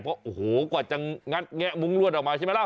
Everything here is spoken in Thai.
เพราะโอ้โหกว่าจะงัดแงะมุ้งลวดออกมาใช่ไหมล่ะ